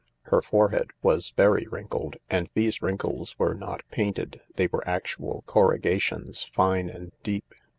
Her forehead was very wrinkled, and these wrinkles were not painted — they were actual corrugations, fine and deep.